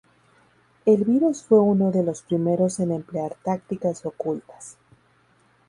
El virus fue uno de los primeros en emplear tácticas ocultas.